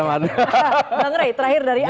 bang rey terakhir dari anda